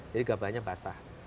jadi gabahnya basah